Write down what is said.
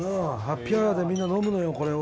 ハッピーアワーでみんな飲むのよこれを。